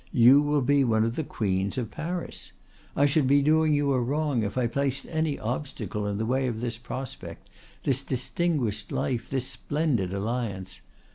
You will be one of the queens of Paris. I should be doing you a wrong if I placed any obstacle in the way of this prospect, this distinguished life, this splendid alliance.